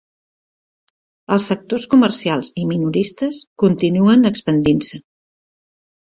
Els sectors comercials i minoristes continuen expandint-se.